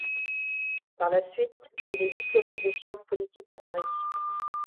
Par la suite, il est diplômé de science politique à Paris.